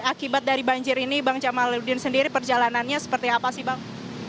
akibat dari banjir ini bang jamaludin sendiri perjalanannya seperti apa sih bang